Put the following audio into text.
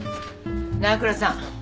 長倉さん。